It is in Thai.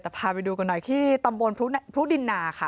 แต่พาไปดูกันหน่อยที่ตำบลพรุดินนาค่ะ